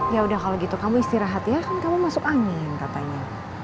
ya udah kalau gitu kamu istirahat ya kan kamu masuk angin katanya